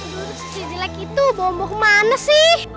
duru duru si jelek itu bawa bawa ke mana sih